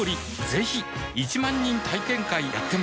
ぜひ１万人体験会やってます